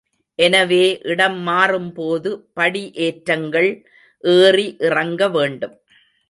எனவே இடம் மாறும்போது படி ஏற்றங்கள் ஏறி இறங்கவேண்டும்.